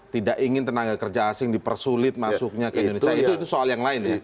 tidak ingin tenaga kerja asing dipersulit masuknya ke indonesia itu soal yang lain ya